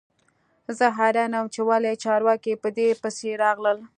زه حیران یم چې ولې چارواکي په دې پسې راغلل